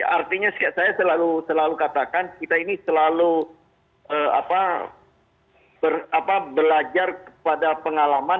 artinya saya selalu katakan kita ini selalu belajar pada pengalaman